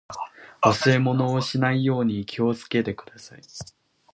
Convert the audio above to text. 忘れ物をしないように気をつけてください。